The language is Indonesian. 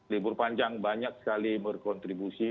libur panjang banyak sekali berkontribusi